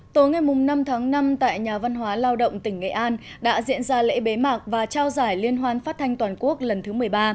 tối ngày năm tháng năm tại nhà văn hóa lao động tỉnh nghệ an đã diễn ra lễ bế mạc và trao giải liên hoan phát thanh toàn quốc lần thứ một mươi ba